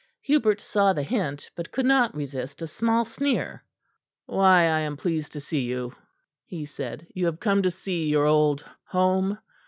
Hubert saw the hint, but could not resist a small sneer. "Why, I am pleased to see you," he said. "You have come to see your old home?"